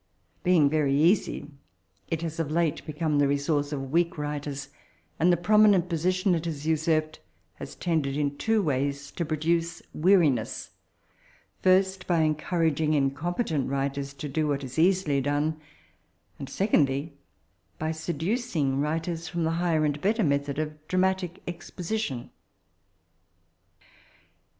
Being very easy, it has of late become the resonroe of weak writers; and the prominent position it has nsarped lias tended in two ways to prodace weariness — ^first, by enconraging in competent writers to do what is easily done ; and, eecondly, by seduc ing writers from the higher and bet ter method of dramatic exposition.